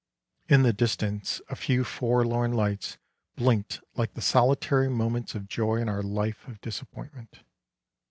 In the distance a few forlorn lights blinked like the solitary moments of joy in our life of disappointment.